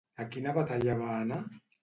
A quina batalla va anar?